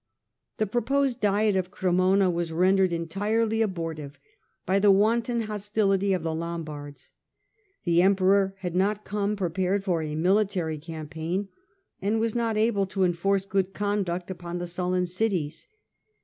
The proposed Diet of Cremona was rendered entirely abortive by the wanton hostility of the Lombards. The Emperor had not come prepared for a military campaign, and was not able to enforce good conduct upon the sullen cities.